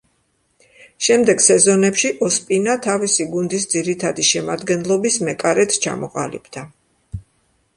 შემდეგ სეზონებში ოსპინა თავისი გუნდის ძირითადი შემადგენლობის მეკარედ ჩამოყალიბდა.